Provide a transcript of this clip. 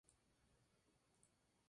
Precipita con ácido clorhídrico.